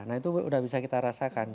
nah itu sudah bisa kita rasakan